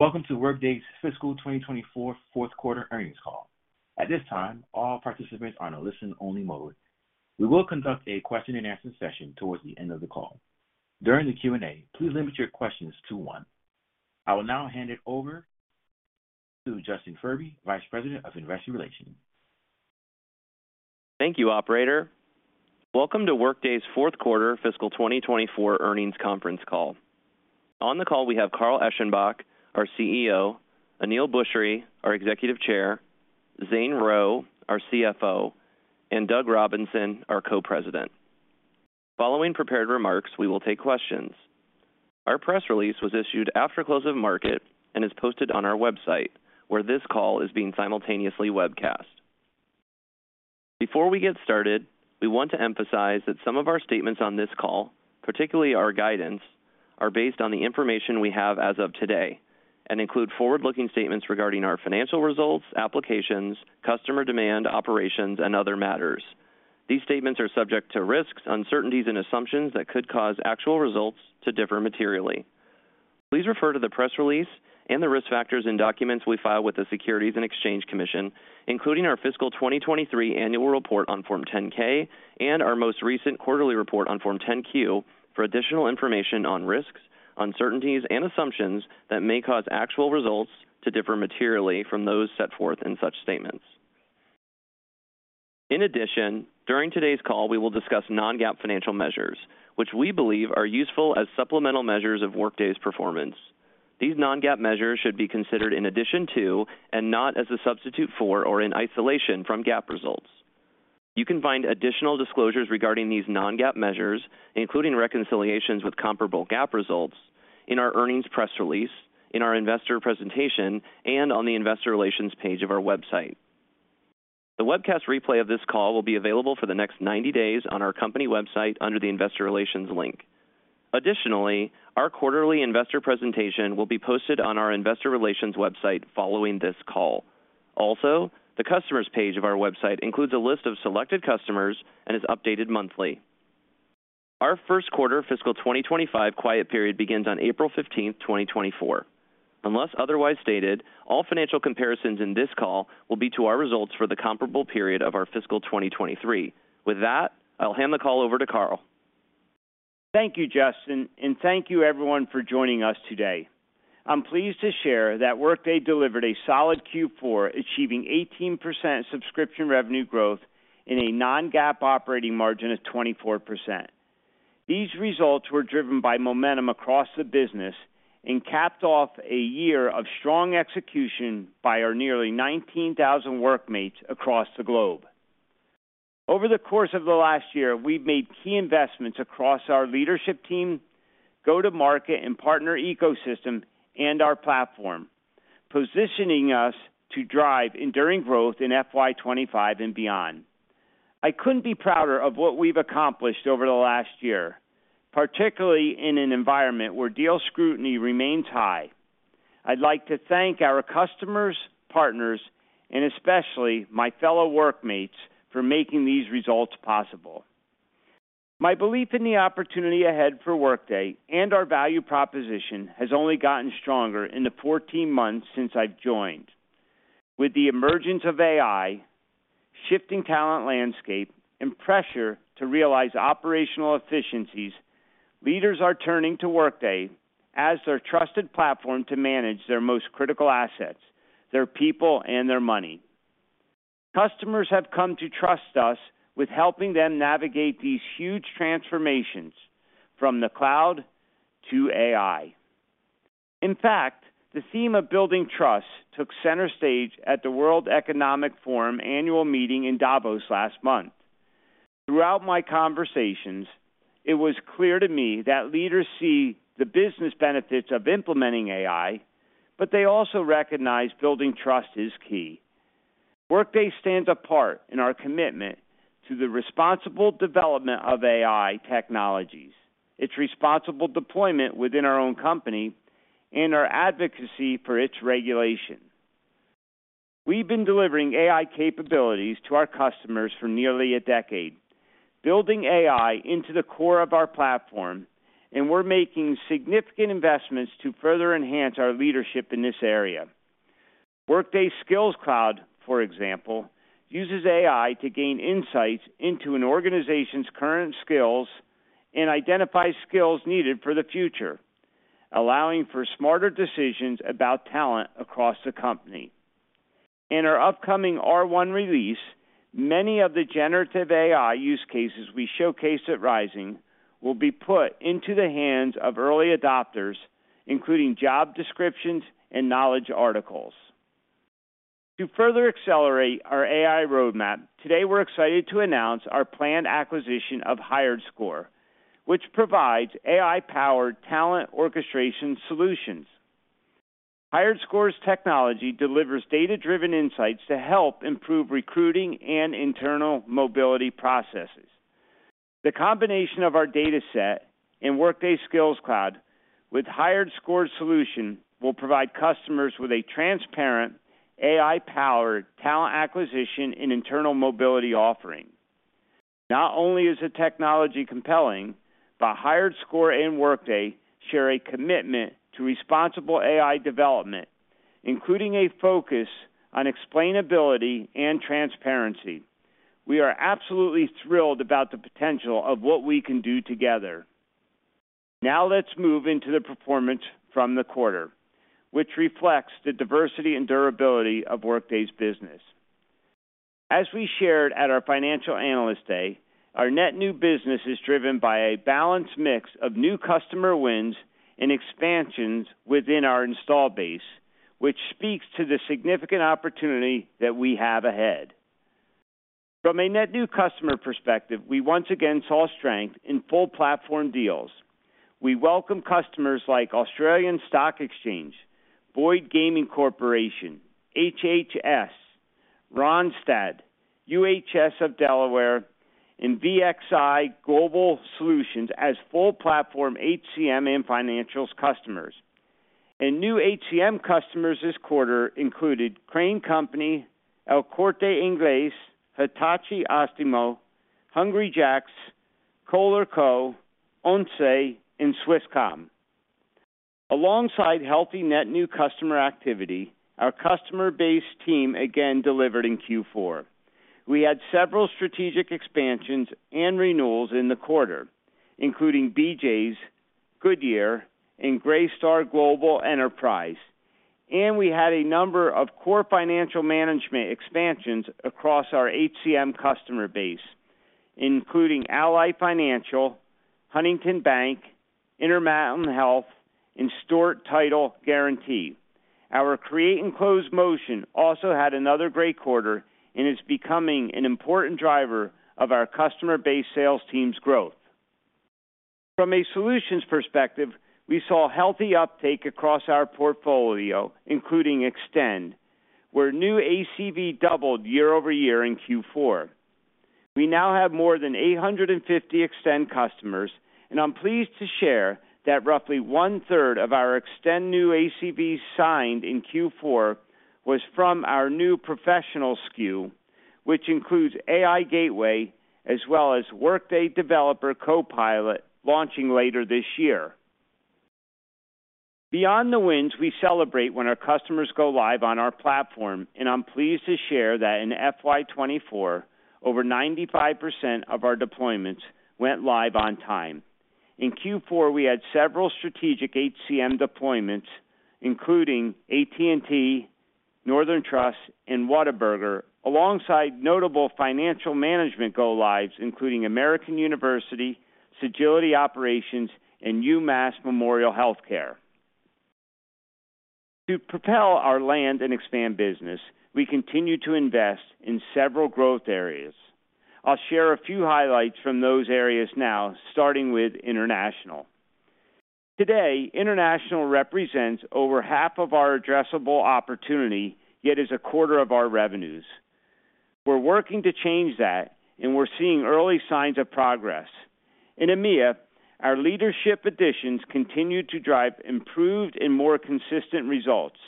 Welcome to Workday's Fiscal 2024 fourth quarter earnings call. At this time, all participants are on a listen-only mode. We will conduct a question-and-answer session towards the end of the call. During the Q&A, please limit your questions to one. I will now hand it over to Justin Furby, Vice President of Investor Relations. Thank you, operator. Welcome to Workday's fourth quarter fiscal 2024 earnings conference call. On the call, we have Carl Eschenbach, our CEO, Aneel Bhusri, our Executive Chair, Zane Rowe, our CFO, and Doug Robinson, our Co-President. Following prepared remarks, we will take questions. Our press release was issued after close of market and is posted on our website, where this call is being simultaneously webcast. Before we get started, we want to emphasize that some of our statements on this call, particularly our guidance, are based on the information we have as of today and include forward-looking statements regarding our financial results, applications, customer demand, operations, and other matters. These statements are subject to risks, uncertainties, and assumptions that could cause actual results to differ materially. Please refer to the press release and the risk factors in documents we file with the Securities and Exchange Commission, including our fiscal 2023 annual report on Form 10-K and our most recent quarterly report on Form 10-Q for additional information on risks, uncertainties and assumptions that may cause actual results to differ materially from those set forth in such statements. In addition, during today's call, we will discuss non-GAAP financial measures, which we believe are useful as supplemental measures of Workday's performance. These non-GAAP measures should be considered in addition to and not as a substitute for or in isolation from GAAP results. You can find additional disclosures regarding these non-GAAP measures, including reconciliations with comparable GAAP results, in our earnings press release, in our investor presentation, and on the investor relations page of our website. The webcast replay of this call will be available for the next 90 days on our company website under the Investor Relations link. Additionally, our quarterly investor presentation will be posted on our investor relations website following this call. Also, the customers page of our website includes a list of selected customers and is updated monthly. Our first quarter fiscal 2025 quiet period begins on April 15th, 2024. Unless otherwise stated, all financial comparisons in this call will be to our results for the comparable period of our fiscal 2023. With that, I'll hand the call over to Carl. Thank you, Justin, and thank you everyone for joining us today. I'm pleased to share that Workday delivered a solid Q4, achieving 18% subscription revenue growth and a non-GAAP operating margin of 24%. These results were driven by momentum across the business and capped off a year of strong execution by our nearly 19,000 workmates across the globe. Over the course of the last year, we've made key investments across our leadership team, go-to-market and partner ecosystem, and our platform, positioning us to drive enduring growth in FY 2025 and beyond. I couldn't be prouder of what we've accomplished over the last year, particularly in an environment where deal scrutiny remains high. I'd like to thank our customers, partners, and especially my fellow workmates, for making these results possible. My belief in the opportunity ahead for Workday and our value proposition has only gotten stronger in the 14 months since I've joined. With the emergence of AI, shifting talent landscape, and pressure to realize operational efficiencies, leaders are turning to Workday as their trusted platform to manage their most critical assets, their people, and their money. Customers have come to trust us with helping them navigate these huge transformations from the cloud to AI. In fact, the theme of building trust took center stage at the World Economic Forum Annual Meeting in Davos last month. Throughout my conversations, it was clear to me that leaders see the business benefits of implementing AI, but they also recognize building trust is key. Workday stands apart in our commitment to the responsible development of AI technologies, its responsible deployment within our own company, and our advocacy for its regulation. We've been delivering AI capabilities to our customers for nearly a decade, building AI into the core of our platform, and we're making significant investments to further enhance our leadership in this area. Workday Skills Cloud, for example, uses AI to gain insights into an organization's current skills and identify skills needed for the future, allowing for smarter decisions about talent across the company. In our upcoming R1 release, many of the generative AI use cases we showcased at Rising will be put into the hands of early adopters, including job descriptions and knowledge articles. To further accelerate our AI roadmap, today, we're excited to announce our planned acquisition of HiredScore, which provides AI-powered talent orchestration solutions. HiredScore's technology delivers data-driven insights to help improve recruiting and internal mobility processes. The combination of our dataset and Workday Skills Cloud with HiredScore's solution will provide customers with a transparent, AI-powered talent acquisition and internal mobility offering.... Not only is the technology compelling, but HiredScore and Workday share a commitment to responsible AI development, including a focus on explainability and transparency. We are absolutely thrilled about the potential of what we can do together. Now let's move into the performance from the quarter, which reflects the diversity and durability of Workday's business. As we shared at our Financial Analyst Day, our net new business is driven by a balanced mix of new customer wins and expansions within our install base, which speaks to the significant opportunity that we have ahead. From a net new customer perspective, we once again saw strength in full platform deals. We welcome customers like Australian Stock Exchange, Boyd Gaming Corporation, HHS, Randstad, UHS of Delaware, and VXI Global Solutions as full platform HCM and Financials customers. New HCM customers this quarter included Crane Company, El Corte Inglés, Hitachi Astemo, Hungry Jack's, Kohler Co., ONCE, and Swisscom. Alongside healthy net new customer activity, our customer base team again delivered in Q4. We had several strategic expansions and renewals in the quarter, including BJ's, Goodyear, and Greystar Global Enterprise, and we had a number of core financial management expansions across our HCM customer base, including Ally Financial, Huntington Bank, Intermountain Health, and Stewart Title Guaranty. Our create and close motion also had another great quarter and is becoming an important driver of our customer base sales team's growth. From a solutions perspective, we saw healthy uptake across our portfolio, including Extend, where new ACV doubled year-over-year in Q4. We now have more than 850 Extend customers, and I'm pleased to share that roughly one-third of our Extend new ACV signed in Q4 was from our new professional SKU, which includes AI Gateway, as well as Workday Developer Copilot, launching later this year. Beyond the wins, we celebrate when our customers go live on our platform, and I'm pleased to share that in FY 2024, over 95% of our deployments went live on time. In Q4, we had several strategic HCM deployments, including AT&T, Northern Trust, and Whataburger, alongside notable financial management go lives, including American University, Sagility Operations, and UMass Memorial Healthcare. To propel our land and expand business, we continue to invest in several growth areas. I'll share a few highlights from those areas now, starting with international. Today, international represents over half of our addressable opportunity, yet is a quarter of our revenues. We're working to change that, and we're seeing early signs of progress. In EMEA, our leadership additions continued to drive improved and more consistent results.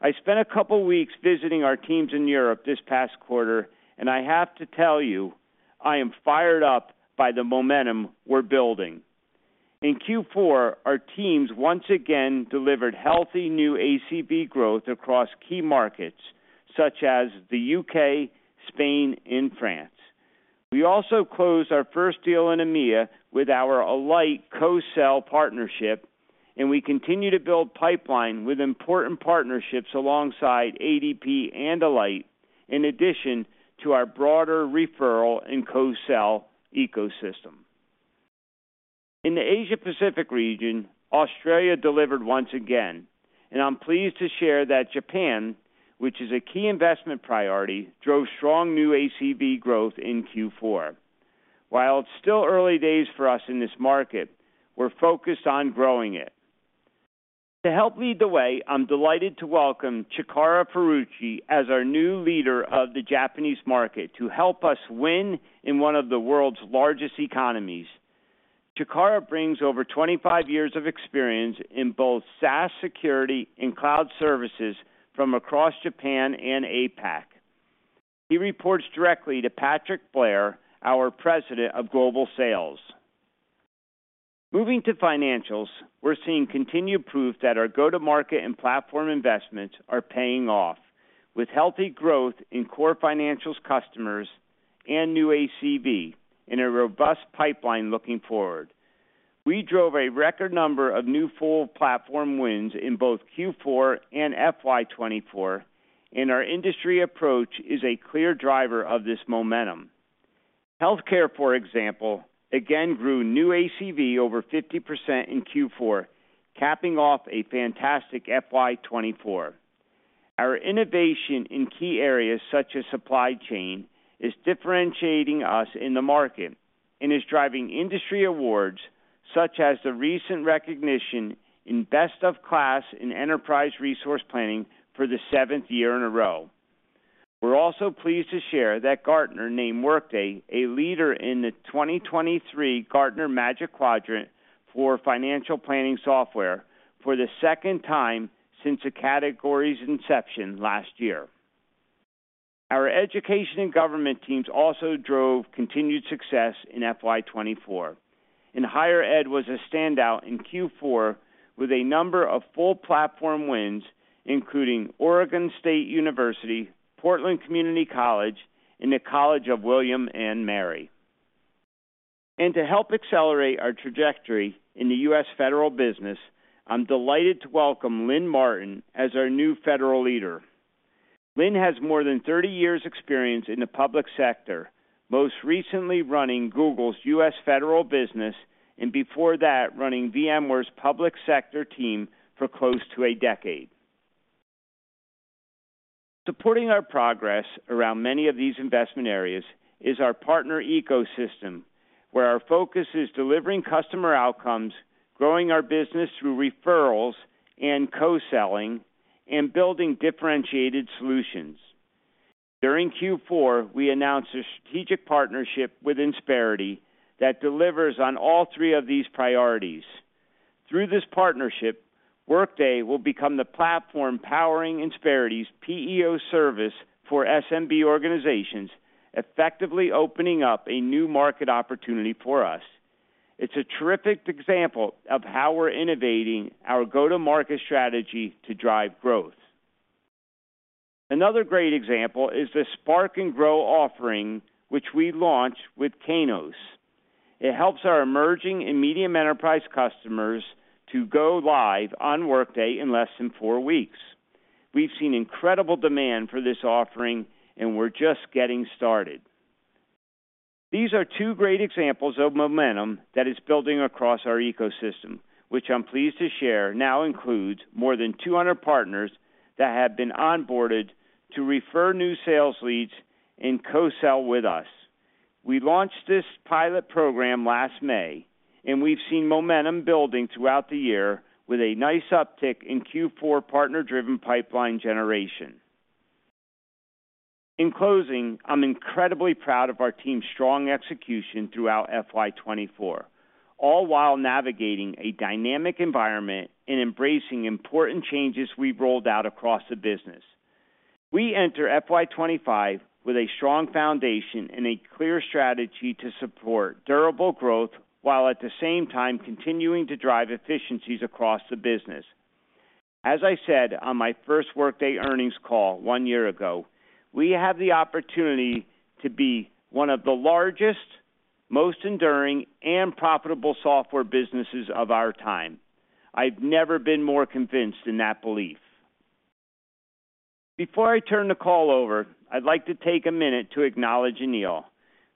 I spent a couple of weeks visiting our teams in Europe this past quarter, and I have to tell you, I am fired up by the momentum we're building. In Q4, our teams once again delivered healthy new ACV growth across key markets such as the UK, Spain, and France. We also closed our first deal in EMEA with our Alight co-sell partnership, and we continue to build pipeline with important partnerships alongside ADP and Alight, in addition to our broader referral and co-sell ecosystem. In the Asia Pacific region, Australia delivered once again, and I'm pleased to share that Japan, which is a key investment priority, drove strong new ACV growth in Q4. While it's still early days for us in this market, we're focused on growing it. To help lead the way, I'm delighted to welcome Chikara Furuichi as our new leader of the Japanese market to help us win in one of the world's largest economies. Chikara brings over 25 years of experience in both SaaS security and cloud services from across Japan and APAC. He reports directly to Patrick Blair, our President of Global Sales. Moving to financials, we're seeing continued proof that our go-to-market and platform investments are paying off with healthy growth in core financials customers and new ACV, and a robust pipeline looking forward. We drove a record number of new full platform wins in both Q4 and FY 2024, and our industry approach is a clear driver of this momentum. Healthcare, for example, again, grew new ACV over 50% in Q4, capping off a fantastic FY 2024. Our innovation in key areas, such as supply chain, is differentiating us in the market and is driving industry awards, such as the recent recognition in Best in KLAS in Enterprise Resource Planning for the 7th year in a row. We're also pleased to share that Gartner named Workday a leader in the 2023 Gartner Magic Quadrant for Financial Planning Software for the second time since the category's inception last year.... Our education and government teams also drove continued success in FY 2024, and higher ed was a standout in Q4 with a number of full platform wins, including Oregon State University, Portland Community College, and the College of William and Mary. And to help accelerate our trajectory in the U.S. federal business, I'm delighted to welcome Lynn Martin as our new federal leader. Lynn has more than 30 years experience in the public sector, most recently running Google's U.S. federal business, and before that, running VMware's public sector team for close to a decade. Supporting our progress around many of these investment areas is our partner ecosystem, where our focus is delivering customer outcomes, growing our business through referrals and co-selling, and building differentiated solutions. During Q4, we announced a strategic partnership with Insperity that delivers on all three of these priorities. Through this partnership, Workday will become the platform powering Insperity's PEO service for SMB organizations, effectively opening up a new market opportunity for us. It's a terrific example of how we're innovating our go-to-market strategy to drive growth. Another great example is the Spark and Grow offering, which we launched with Kainos. It helps our emerging and medium enterprise customers to go live on Workday in less than four weeks. We've seen incredible demand for this offering, and we're just getting started. These are two great examples of momentum that is building across our ecosystem, which I'm pleased to share now includes more than 200 partners that have been onboarded to refer new sales leads and co-sell with us. We launched this pilot program last May, and we've seen momentum building throughout the year with a nice uptick in Q4 partner-driven pipeline generation. In closing, I'm incredibly proud of our team's strong execution throughout FY 2024, all while navigating a dynamic environment and embracing important changes we've rolled out across the business. We enter FY 2025 with a strong foundation and a clear strategy to support durable growth, while at the same time continuing to drive efficiencies across the business. As I said on my first Workday earnings call one year ago, we have the opportunity to be one of the largest, most enduring, and profitable software businesses of our time. I've never been more convinced in that belief. Before I turn the call over, I'd like to take a minute to acknowledge Aneel,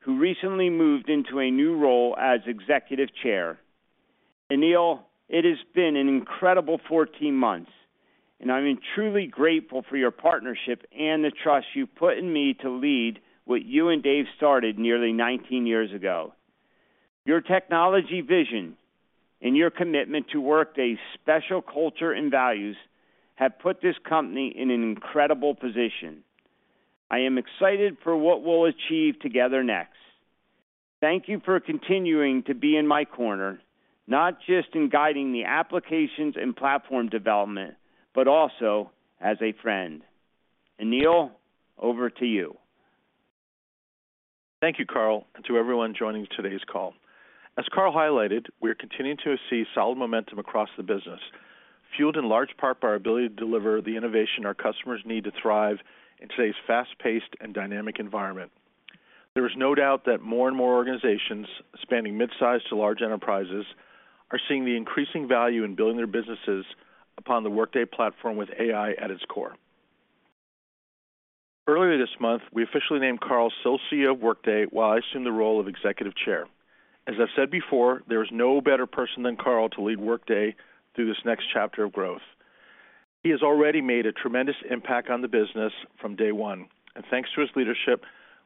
who recently moved into a new role as Executive Chair. Aneel, it has been an incredible 14 months, and I'm truly grateful for your partnership and the trust you've put in me to lead what you and Dave started nearly 19 years ago. Your technology vision and your commitment to Workday's special culture and values have put this company in an incredible position. I am excited for what we'll achieve together next. Thank you for continuing to be in my corner, not just in guiding the applications and platform development, but also as a friend. Aneel, over to you. Thank you, Carl, and to everyone joining today's call. As Carl highlighted, we are continuing to see solid momentum across the business, fueled in large part by our ability to deliver the innovation our customers need to thrive in today's fast-paced and dynamic environment. There is no doubt that more and more organizations, spanning mid-size to large enterprises, are seeing the increasing value in building their businesses upon the Workday platform with AI at its core. Earlier this month, we officially named Carl Eschenbach of Workday, while I assumed the role of executive chair. As I've said before, there is no better person than Carl to lead Workday through this next chapter of growth. He has already made a tremendous impact on the business from day one, and thanks to his leadership,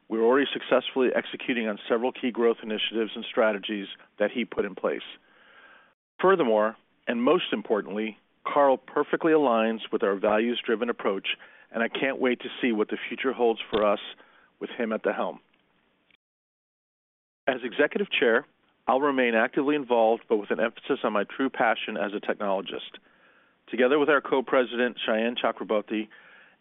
we're already successfully executing on several key growth initiatives and strategies that he put in place. Furthermore, and most importantly, Carl perfectly aligns with our values-driven approach, and I can't wait to see what the future holds for us with him at the helm. As Executive Chair, I'll remain actively involved, but with an emphasis on my true passion as a technologist. Together with our Co-President, Sayan Chakraborty,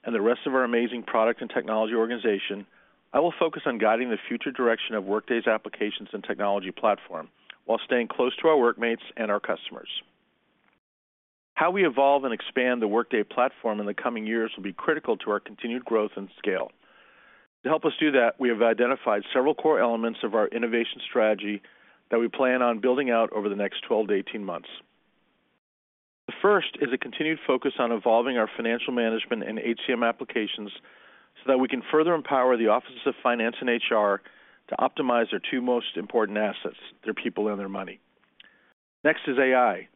and the rest of our amazing product and technology organization, I will focus on guiding the future direction of Workday's applications and technology platform while staying close to our workmates and our customers. How we evolve and expand the Workday platform in the coming years will be critical to our continued growth and scale. To help us do that, we have identified several core elements of our innovation strategy that we plan on building out over the next 12-18 months. The first is a continued focus on evolving our financial management and HCM applications, so that we can further empower the offices of Finance and HR to optimize their two most important assets, their people and their money. Next is AI.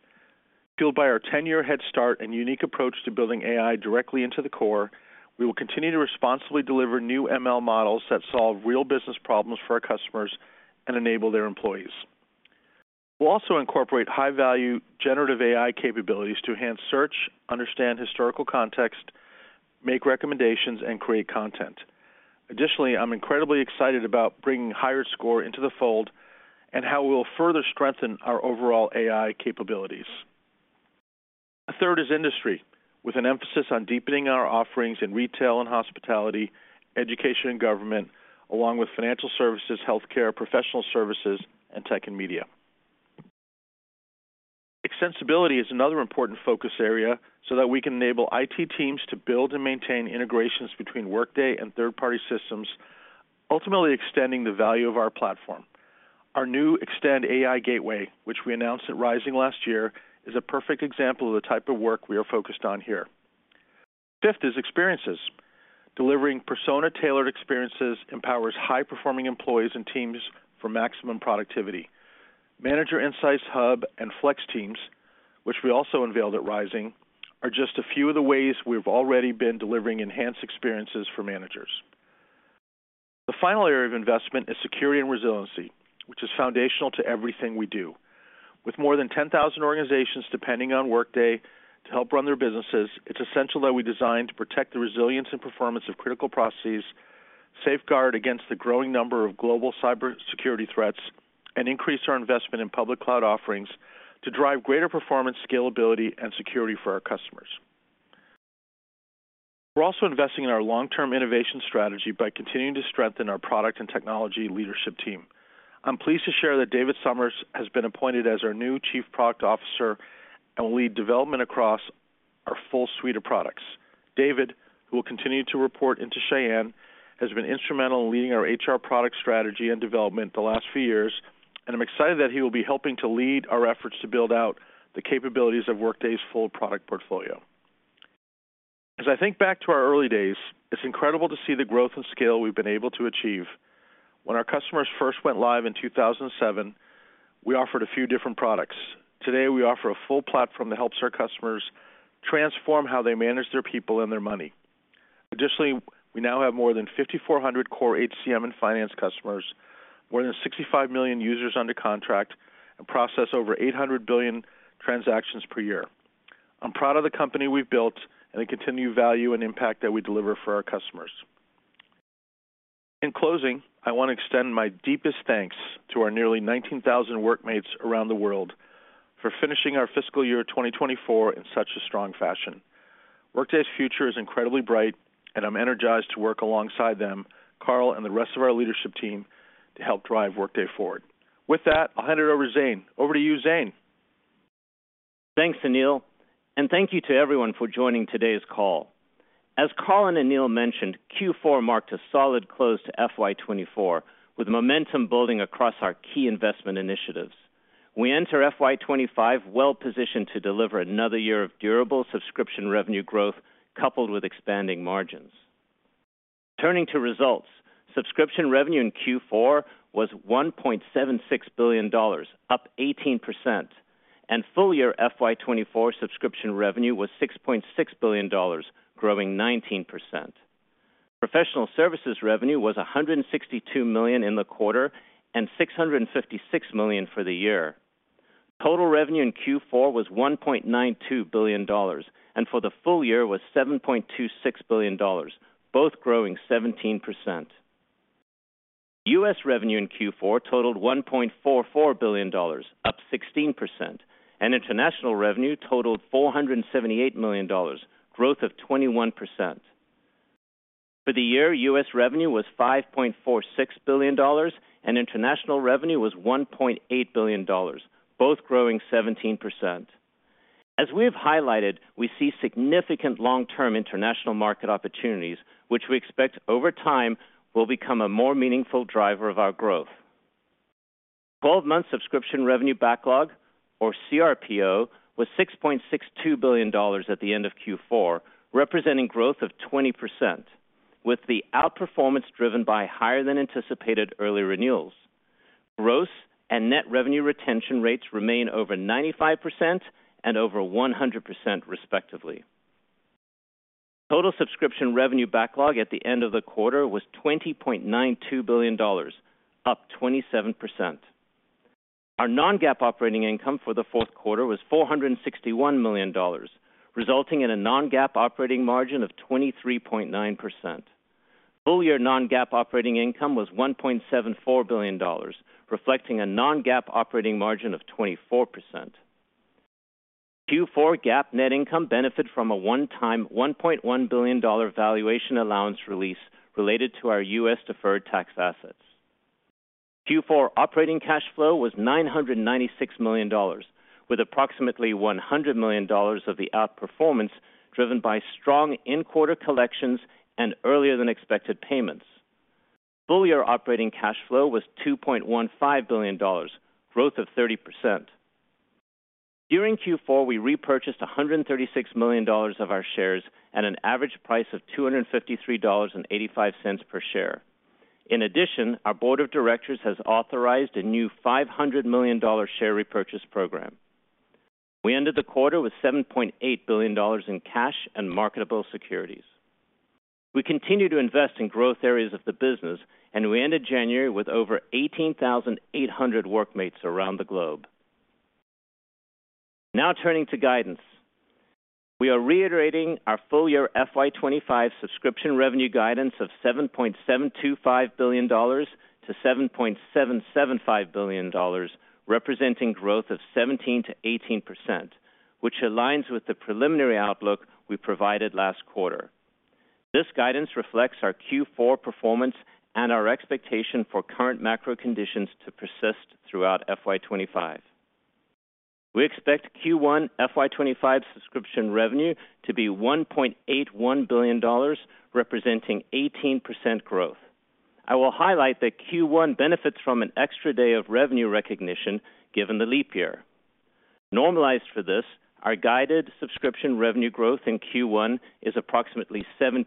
Fueled by our 10-year head start and unique approach to building AI directly into the core, we will continue to responsibly deliver new ML models that solve real business problems for our customers and enable their employees. We'll also incorporate high-value generative AI capabilities to enhance search, understand historical context, make recommendations, and create content. Additionally, I'm incredibly excited about bringing HiredScore into the fold and how we'll further strengthen our overall AI capabilities.... The third is industry, with an emphasis on deepening our offerings in retail and hospitality, education and government, along with financial services, healthcare, professional services, and tech and media. Extensibility is another important focus area, so that we can enable IT teams to build and maintain integrations between Workday and third-party systems, ultimately extending the value of our platform. Our new Extend AI Gateway, which we announced at Rising last year, is a perfect example of the type of work we are focused on here. Fifth is experiences. Delivering persona-tailored experiences empowers high-performing employees and teams for maximum productivity. Manager Insights Hub and Flex Teams, which we also unveiled at Rising, are just a few of the ways we've already been delivering enhanced experiences for managers. The final area of investment is security and resiliency, which is foundational to everything we do. With more than 10,000 organizations depending on Workday to help run their businesses, it's essential that we design to protect the resilience and performance of critical processes, safeguard against the growing number of global cybersecurity threats, and increase our investment in public cloud offerings to drive greater performance, scalability, and security for our customers. We're also investing in our long-term innovation strategy by continuing to strengthen our product and technology leadership team. I'm pleased to share that David Somers has been appointed as our new Chief Product Officer and will lead development across our full suite of products. David, who will continue to report into Sayan, has been instrumental in leading our HR product strategy and development the last few years, and I'm excited that he will be helping to lead our efforts to build out the capabilities of Workday's full product portfolio. As I think back to our early days, it's incredible to see the growth and scale we've been able to achieve. When our customers first went live in 2007, we offered a few different products. Today, we offer a full platform that helps our customers transform how they manage their people and their money. Additionally, we now have more than 5,400 core HCM and finance customers, more than 65 million users under contract, and process over 800 billion transactions per year. I'm proud of the company we've built and the continued value and impact that we deliver for our customers. In closing, I want to extend my deepest thanks to our nearly 19,000 workmates around the world for finishing our fiscal year 2024 in such a strong fashion. Workday's future is incredibly bright, and I'm energized to work alongside them, Carl, and the rest of our leadership team, to help drive Workday forward. With that, I'll hand it over to Zane. Over to you, Zane. Thanks, Aneel, and thank you to everyone for joining today's call. As Carl and Aneel mentioned, Q4 marked a solid close to FY 2024, with momentum building across our key investment initiatives. We enter FY 2025 well positioned to deliver another year of durable subscription revenue growth, coupled with expanding margins. Turning to results, subscription revenue in Q4 was $1.76 billion, up 18%, and full-year FY 2024 subscription revenue was $6.6 billion, growing 19%. Professional services revenue was $162 million in the quarter and $656 million for the year. Total revenue in Q4 was $1.92 billion, and for the full year was $7.26 billion, both growing 17%. U.S. revenue in Q4 totaled $1.44 billion, up 16%, and international revenue totaled $478 million, growth of 21%. For the year, U.S. revenue was $5.46 billion, and international revenue was $1.8 billion, both growing 17%. As we have highlighted, we see significant long-term international market opportunities, which we expect over time, will become a more meaningful driver of our growth. 12-month subscription revenue backlog, or CRPO, was $6.62 billion at the end of Q4, representing growth of 20%, with the outperformance driven by higher than anticipated early renewals. Gross and net revenue retention rates remain over 95% and over 100%, respectively. Total subscription revenue backlog at the end of the quarter was $20.92 billion, up 27%. Our non-GAAP operating income for the fourth quarter was $461 million, resulting in a non-GAAP operating margin of 23.9%. Full-year non-GAAP operating income was $1.74 billion, reflecting a non-GAAP operating margin of 24%. Q4 GAAP net income benefited from a one-time $1.1 billion dollar valuation allowance release related to our U.S. deferred tax assets. Q4 operating cash flow was $996 million, with approximately $100 million of the outperformance driven by strong in-quarter collections and earlier than expected payments. Full-year operating cash flow was $2.15 billion, growth of 30%. During Q4, we repurchased $136 million of our shares at an average price of $253.85 per share. In addition, our board of directors has authorized a new $500 million share repurchase program. We ended the quarter with $7.8 billion in cash and marketable securities. We continue to invest in growth areas of the business, and we ended January with over 18,800 workmates around the globe. Now turning to guidance. We are reiterating our full year FY 2025 subscription revenue guidance of $7.725 billion-$7.775 billion, representing growth of 17%-18%, which aligns with the preliminary outlook we provided last quarter. This guidance reflects our Q4 performance and our expectation for current macro conditions to persist throughout FY 2025. We expect Q1 FY 2025 subscription revenue to be $1.81 billion, representing 18% growth. I will highlight that Q1 benefits from an extra day of revenue recognition, given the leap year. Normalized for this, our guided subscription revenue growth in Q1 is approximately 17%.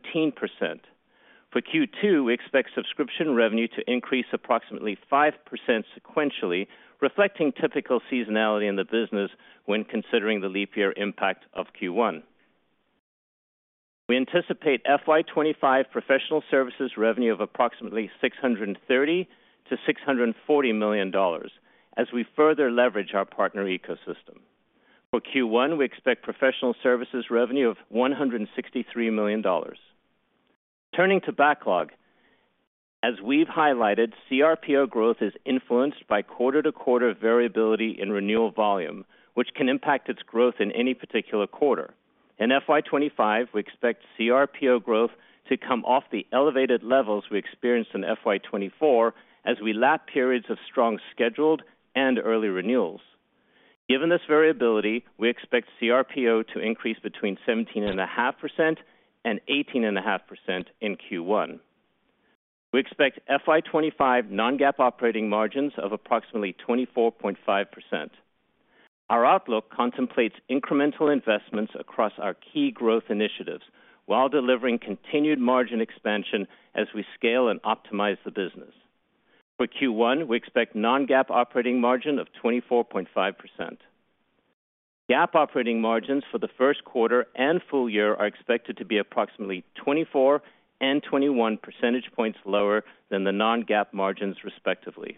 For Q2, we expect subscription revenue to increase approximately 5% sequentially, reflecting typical seasonality in the business when considering the leap year impact of Q1. We anticipate FY 2025 professional services revenue of approximately $630 million-$640 million as we further leverage our partner ecosystem. For Q1, we expect professional services revenue of $163 million. Turning to backlog, as we've highlighted, CRPO growth is influenced by quarter-to-quarter variability in renewal volume, which can impact its growth in any particular quarter. In FY 2025, we expect CRPO growth to come off the elevated levels we experienced in FY 2024, as we lap periods of strong scheduled and early renewals. Given this variability, we expect CRPO to increase between 17.5% and 18.5% in Q1. We expect FY 2025 non-GAAP operating margins of approximately 24.5%. Our outlook contemplates incremental investments across our key growth initiatives while delivering continued margin expansion as we scale and optimize the business. For Q1, we expect non-GAAP operating margin of 24.5%. GAAP operating margins for the first quarter and full year are expected to be approximately 24 and 21 percentage points lower than the non-GAAP margins, respectively.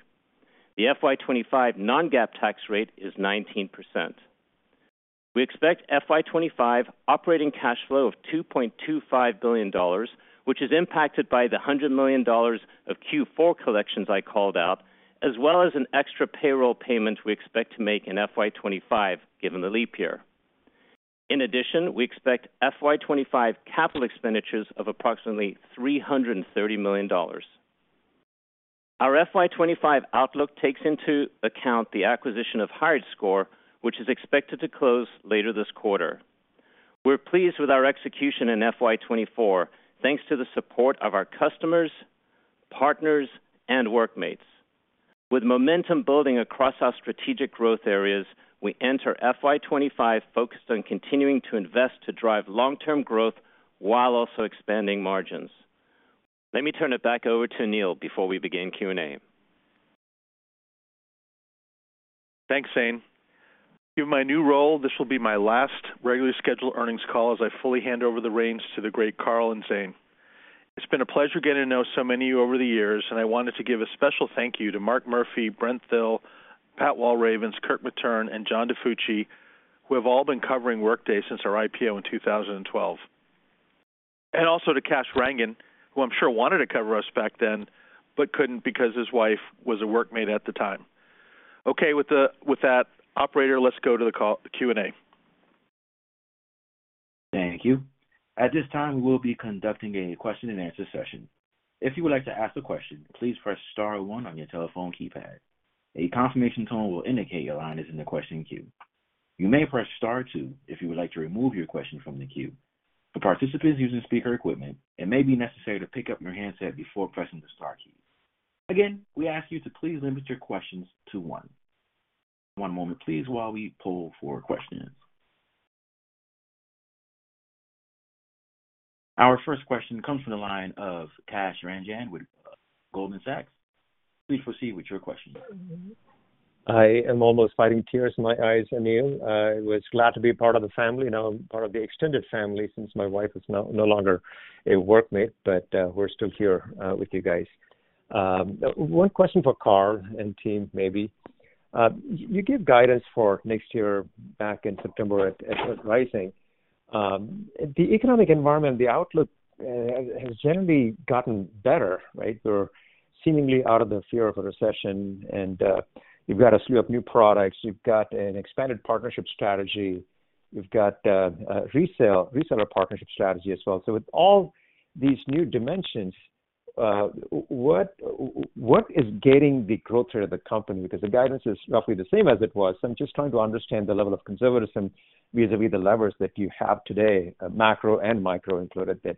The FY 2025 non-GAAP tax rate is 19%. We expect FY 25 operating cash flow of $2.25 billion, which is impacted by the $100 million of Q4 collections I called out, as well as an extra payroll payment we expect to make in FY 25, given the leap year. In addition, we expect FY 25 capital expenditures of approximately $330 million. Our FY 25 outlook takes into account the acquisition of HiredScore, which is expected to close later this quarter. We're pleased with our execution in FY 24, thanks to the support of our customers, partners, and workmates. With momentum building across our strategic growth areas, we enter FY 25 focused on continuing to invest to drive long-term growth while also expanding margins. Let me turn it back over to Aneel before we begin Q&A. Thanks, Zane. Due to my new role, this will be my last regularly scheduled earnings call as I fully hand over the reins to the great Carl and Zane. It's been a pleasure getting to know so many of you over the years, and I wanted to give a special thank you to Mark Murphy, Brent Thill, Pat Walravens, Kirk Materne, and John DiFucci, who have all been covering Workday since our IPO in 2012. Also to Kash Rangan, who I'm sure wanted to cover us back then, but couldn't because his wife was a Workday at the time. Okay, with that, operator, let's go to the call, Q&A. Thank you. At this time, we will be conducting a question-and-answer session. If you would like to ask a question, please press star one on your telephone keypad. A confirmation tone will indicate your line is in the question queue. You may press star two if you would like to remove your question from the queue. For participants using speaker equipment, it may be necessary to pick up your handset before pressing the star key. Again, we ask you to please limit your questions to one. One moment, please, while we pull for questions. Our first question comes from the line of Kash Rangan with Goldman Sachs. Please proceed with your question. I am almost fighting tears in my eyes, Aneel. I was glad to be part of the family, now I'm part of the extended family, since my wife is no longer a workmate, but we're still here with you guys. One question for Carl and team, maybe. You gave guidance for next year back in September at Rising. The economic environment, the outlook, has generally gotten better, right? We're seemingly out of the fear of a recession and you've got a slew of new products, you've got an expanded partnership strategy, you've got a resale, reseller partnership strategy as well. So with all these new dimensions, what is gaining the growth rate of the company? Because the guidance is roughly the same as it was. I'm just trying to understand the level of conservatism vis-à-vis the levers that you have today, macro and micro included, that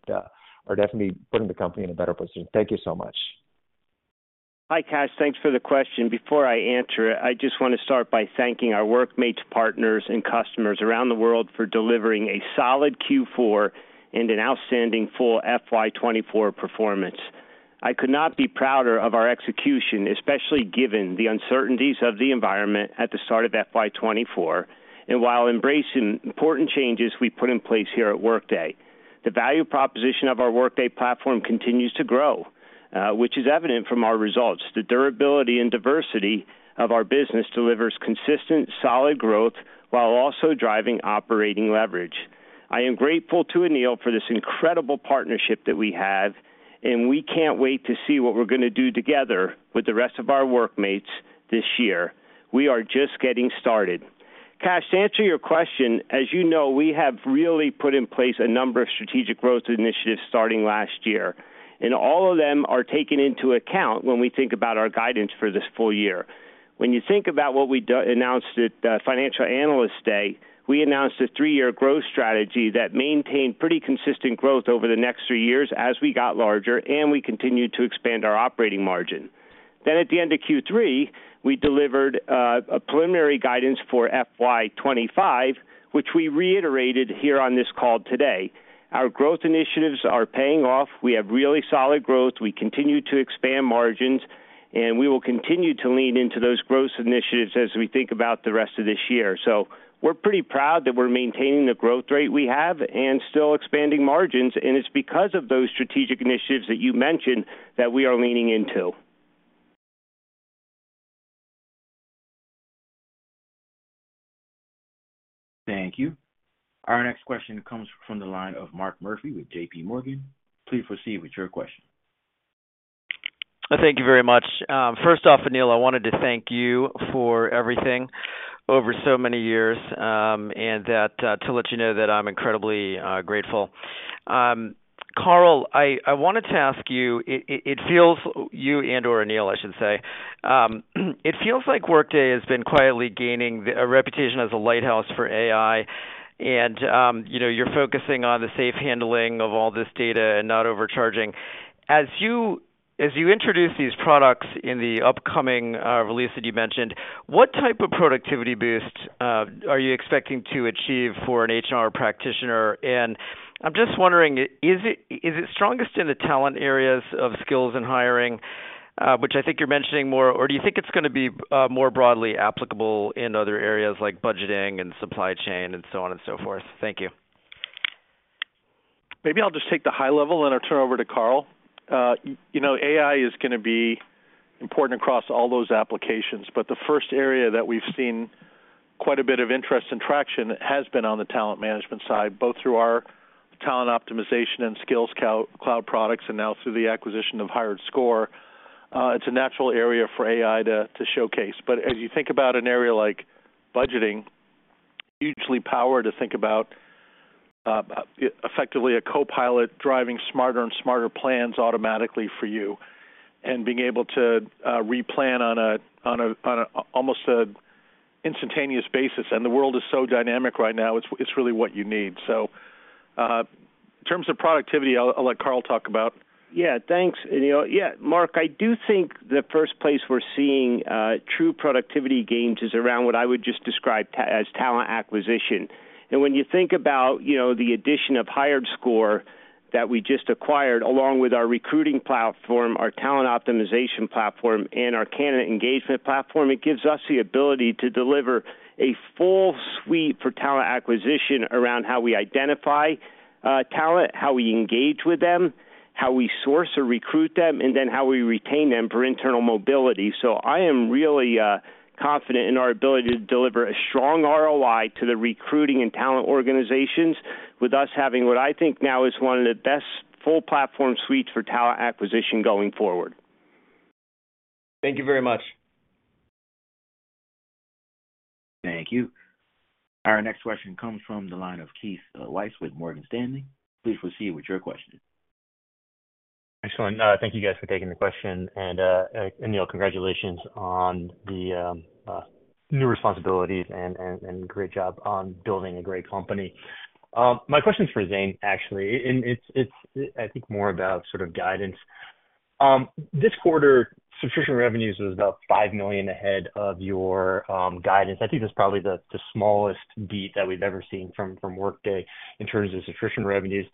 are definitely putting the company in a better position. Thank you so much. Hi, Kash. Thanks for the question. Before I answer it, I just want to start by thanking our workmates, partners, and customers around the world for delivering a solid Q4 and an outstanding full FY 2024 performance. I could not be prouder of our execution, especially given the uncertainties of the environment at the start of FY 2024, and while embracing important changes we put in place here at Workday. The value proposition of our Workday platform continues to grow. ... which is evident from our results. The durability and diversity of our business delivers consistent, solid growth, while also driving operating leverage. I am grateful to Aneel for this incredible partnership that we have, and we can't wait to see what we're going to do together with the rest of our workmates this year. We are just getting started. Kash, to answer your question, as you know, we have really put in place a number of strategic growth initiatives starting last year, and all of them are taken into account when we think about our guidance for this full year. When you think about what we do, announced at the Financial Analyst Day, we announced a three-year growth strategy that maintained pretty consistent growth over the next three years as we got larger, and we continued to expand our operating margin. Then, at the end of Q3, we delivered a preliminary guidance for FY 25, which we reiterated here on this call today. Our growth initiatives are paying off. We have really solid growth. We continue to expand margins, and we will continue to lean into those growth initiatives as we think about the rest of this year. So we're pretty proud that we're maintaining the growth rate we have and still expanding margins, and it's because of those strategic initiatives that you mentioned that we are leaning into. Thank you. Our next question comes from the line of Mark Murphy with JP Morgan. Please proceed with your question. Thank you very much. First off, Aneel, I wanted to thank you for everything over so many years, and to let you know that I'm incredibly grateful. Carl, I wanted to ask you, it feels... You and/or Aneel, I should say. It feels like Workday has been quietly gaining a reputation as a lighthouse for AI, and, you know, you're focusing on the safe handling of all this data and not overcharging. As you introduce these products in the upcoming release that you mentioned, what type of productivity boost are you expecting to achieve for an HR practitioner? And I'm just wondering, is it strongest in the talent areas of skills and hiring, which I think you're mentioning more? Or do you think it's gonna be, more broadly applicable in other areas like budgeting and supply chain and so on and so forth? Thank you. Maybe I'll just take the high level, then I'll turn it over to Carl. You know, AI is gonna be important across all those applications, but the first area that we've seen quite a bit of interest and traction has been on the talent management side, both through our talent optimization and skills cloud products, and now through the acquisition of HiredScore. It's a natural area for AI to showcase. But as you think about an area like budgeting, hugely powerful to think about effectively a co-pilot driving smarter and smarter plans automatically for you, and being able to replan on an almost instantaneous basis. And the world is so dynamic right now, it's really what you need. So, in terms of productivity, I'll let Carl talk about. Yeah, thanks. You know, yeah, Mark, I do think the first place we're seeing true productivity gains is around what I would just describe as talent acquisition. And when you think about, you know, the addition of HiredScore that we just acquired, along with our recruiting platform, our talent optimization platform, and our candidate engagement platform, it gives us the ability to deliver a full suite for talent acquisition around how we identify talent, how we engage with them, how we source or recruit them, and then how we retain them for internal mobility. So I am really confident in our ability to deliver a strong ROI to the recruiting and talent organizations, with us having what I think now is one of the best full platform suites for talent acquisition going forward. Thank you very much. Thank you. Our next question comes from the line of Keith Weiss with Morgan Stanley. Please proceed with your question. Excellent. Thank you, guys, for taking the question. Aneel, congratulations on the new responsibilities and great job on building a great company. My question is for Zane, actually, and it's, I think, more about sort of guidance. This quarter, subscription revenues was about $5 million ahead of your guidance. I think that's probably the smallest beat that we've ever seen from Workday in terms of subscription revenues.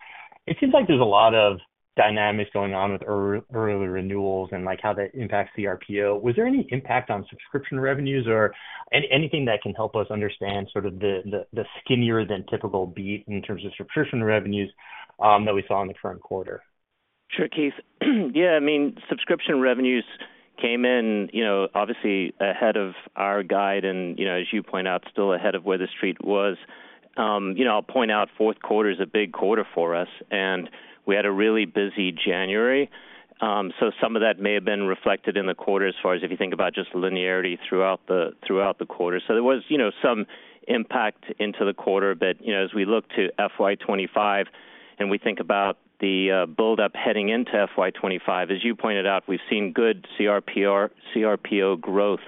It seems like there's a lot of dynamics going on with early renewals and, like, how that impacts CRPO. Was there any impact on subscription revenues or anything that can help us understand sort of the skinnier-than-typical beat in terms of subscription revenues that we saw in the current quarter? Sure, Keith. Yeah, I mean, subscription revenues came in, you know, obviously ahead of our guide, and, you know, as you point out, still ahead of where the street was. You know, I'll point out, fourth quarter is a big quarter for us, and we had a really busy January. So some of that may have been reflected in the quarter as far as if you think about just linearity throughout the quarter. So there was, you know, some impact into the quarter. But, you know, as we look to FY 25 and we think about the build-up heading into FY 25, as you pointed out, we've seen good CRPO growth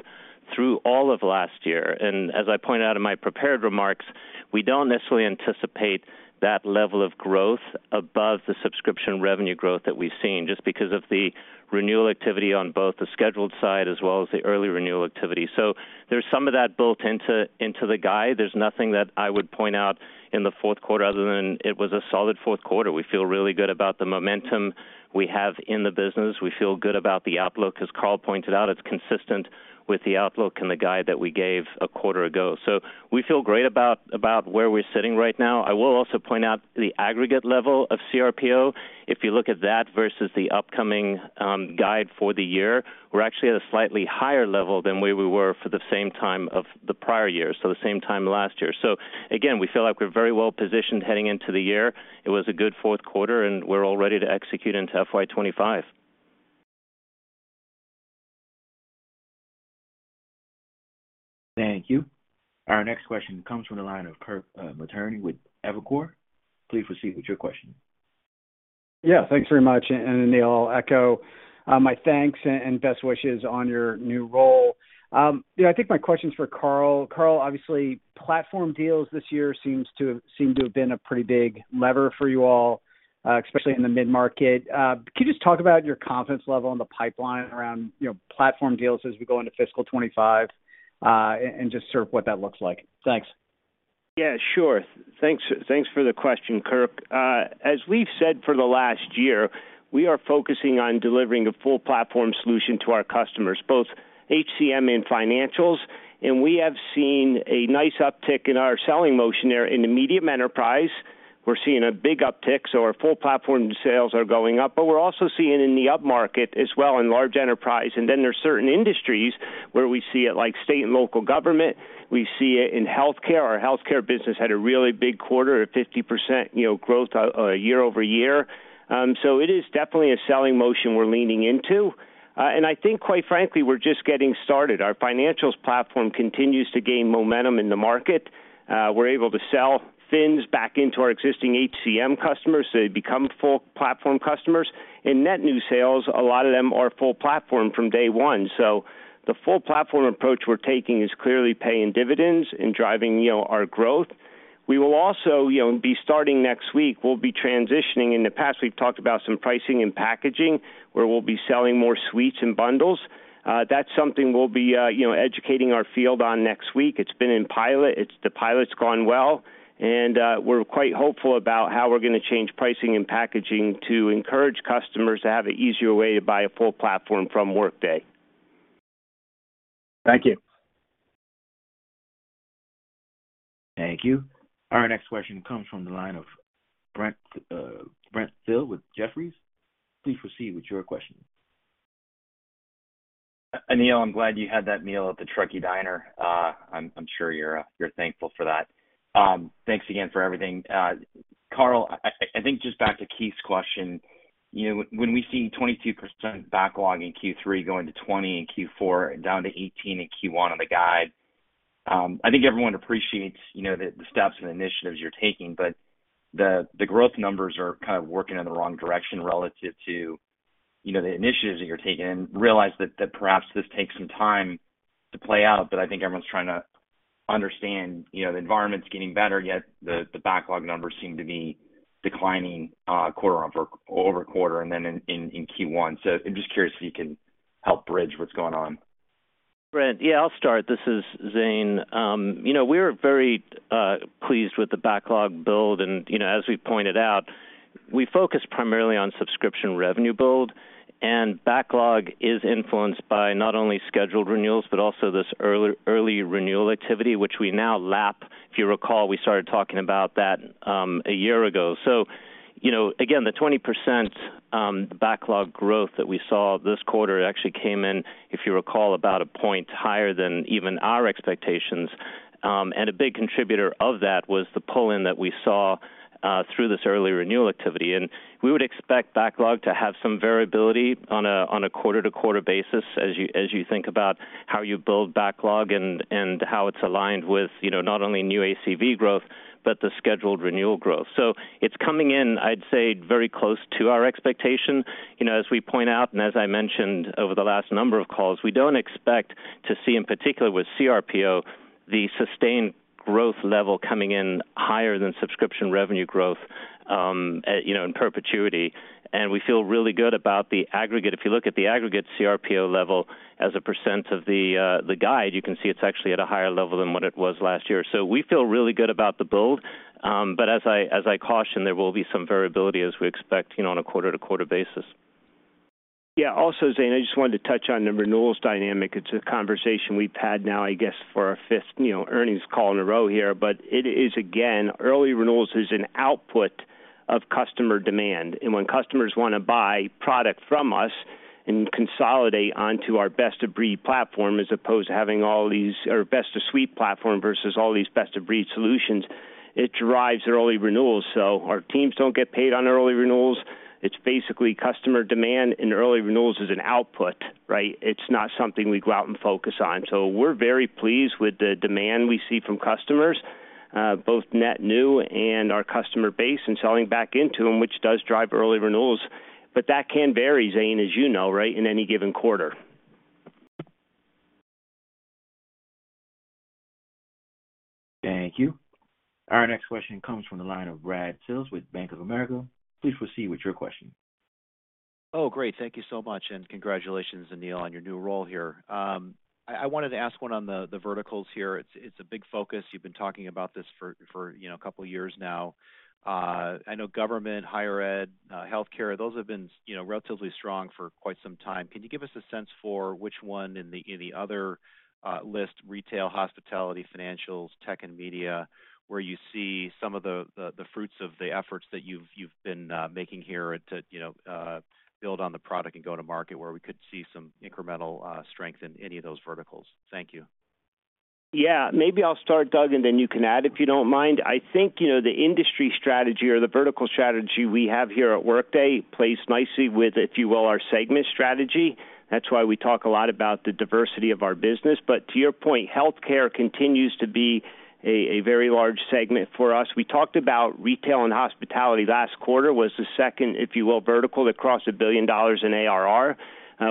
through all of last year. As I pointed out in my prepared remarks, we don't necessarily anticipate that level of growth above the subscription revenue growth that we've seen, just because of the renewal activity on both the scheduled side as well as the early renewal activity. So there's some of that built into the guide. There's nothing that I would point out in the fourth quarter other than it was a solid fourth quarter. We feel really good about the momentum we have in the business. We feel good about the outlook. As Carl pointed out, it's consistent with the outlook and the guide that we gave a quarter ago. So we feel great about where we're sitting right now. I will also point out the aggregate level of CRPO. If you look at that versus the upcoming guide for the year, we're actually at a slightly higher level than where we were for the same time of the prior year, so the same time last year. So again, we feel like we're very well positioned heading into the year. It was a good fourth quarter, and we're all ready to execute into FY 25. Thank you. Our next question comes from the line of Kirk Materne with Evercore. Please proceed with your question. Yeah, thanks very much. Anil, I'll echo my thanks and best wishes on your new role. You know, I think my question's for Carl. Carl, obviously, platform deals this year seems to have seem to have been a pretty big lever for you all, especially in the mid-market. Can you just talk about your confidence level on the pipeline around, you know, platform deals as we go into fiscal 2025, and just sort of what that looks like? Thanks. Yeah, sure. Thanks, thanks for the question, Kirk. As we've said for the last year, we are focusing on delivering a full platform solution to our customers, both HCM and financials. We have seen a nice uptick in our selling motion there in the medium enterprise. We're seeing a big uptick, so our full platform sales are going up, but we're also seeing it in the upmarket as well, in large enterprise. Then there's certain industries where we see it, like state and local government. We see it in healthcare. Our healthcare business had a really big quarter at 50%, you know, growth year-over-year. So it is definitely a selling motion we're leaning into. And I think, quite frankly, we're just getting started. Our financials platform continues to gain momentum in the market. We're able to sell FINs back into our existing HCM customers, so they become full platform customers. In net new sales, a lot of them are full platform from day one. So the full platform approach we're taking is clearly paying dividends and driving, you know, our growth. We will also, you know, be starting next week, we'll be transitioning. In the past, we've talked about some pricing and packaging, where we'll be selling more suites and bundles. That's something we'll be, you know, educating our field on next week. It's been in pilot. It's the pilot's gone well, and we're quite hopeful about how we're going to change pricing and packaging to encourage customers to have an easier way to buy a full platform from Workday. Thank you. Thank you. Our next question comes from the line of Brent, Brent Thill, with Jefferies. Please proceed with your question. Aneel, I'm glad you had that meal at the Truckee Diner. I'm sure you're thankful for that. Thanks again for everything. Carl, I think just back to Keith's question, you know, when we see 22% backlog in Q3, going to 20 in Q4 and down to 18 in Q1 on the guide, I think everyone appreciates, you know, the steps and initiatives you're taking, but the growth numbers are kind of working in the wrong direction relative to, you know, the initiatives that you're taking. Realize that perhaps this takes some time to play out, but I think everyone's trying to understand, you know, the environment's getting better, yet the backlog numbers seem to be declining quarter-over-quarter and then in Q1. I'm just curious if you can help bridge what's going on. Brent, yeah, I'll start. This is Zane. You know, we're very pleased with the backlog build. And, you know, as we pointed out, we focus primarily on subscription revenue build, and backlog is influenced by not only scheduled renewals, but also this early renewal activity, which we now lap. If you recall, we started talking about that a year ago. So, you know, again, the 20% backlog growth that we saw this quarter actually came in, if you recall, about a point higher than even our expectations. And a big contributor of that was the pull-in that we saw through this early renewal activity. And we would expect backlog to have some variability on a quarter-to-quarter basis, as you think about how you build backlog and how it's aligned with, you know, not only new ACV growth, but the scheduled renewal growth. So it's coming in, I'd say, very close to our expectation. You know, as we point out, and as I mentioned over the last number of calls, we don't expect to see, in particular with CRPO, the sustained growth level coming in higher than subscription revenue growth, you know, in perpetuity. And we feel really good about the aggregate. If you look at the aggregate CRPO level as a percent of the guide, you can see it's actually at a higher level than what it was last year. So we feel really good about the build. But as I caution, there will be some variability as we expect, you know, on a quarter-to-quarter basis. Yeah. Also, Zane, I just wanted to touch on the renewals dynamic. It's a conversation we've had now, I guess, for our fifth, you know, earnings call in a row here. But it is, again, early renewals is an output of customer demand. And when customers want to buy product from us and consolidate onto our best-of-breed platform, as opposed to having all these... or best-of-suite platform versus all these best-of-breed solutions, it drives early renewals. So our teams don't get paid on early renewals. It's basically customer demand, and early renewals is an output, right? It's not something we go out and focus on. So we're very pleased with the demand we see from customers, both net new and our customer base, and selling back into them, which does drive early renewals. But that can vary, Zane, as you know, right, in any given quarter. Thank you. Our next question comes from the line of Brad Sills with Bank of America. Please proceed with your question. Oh, great. Thank you so much, and congratulations, Aneel, on your new role here. I wanted to ask one on the verticals here. It's a big focus. You've been talking about this for a couple of years now. I know government, higher ed, healthcare, those have been relatively strong for quite some time. Can you give us a sense for which one in the other list, retail, hospitality, financials, tech and media, where you see some of the fruits of the efforts that you've been making here to build on the product and go to market, where we could see some incremental strength in any of those verticals? Thank you.... Yeah, maybe I'll start, Doug, and then you can add, if you don't mind. I think, you know, the industry strategy or the vertical strategy we have here at Workday plays nicely with, if you will, our segment strategy. That's why we talk a lot about the diversity of our business. But to your point, healthcare continues to be a very large segment for us. We talked about retail and hospitality last quarter, was the second, if you will, vertical that crossed $1 billion in ARR.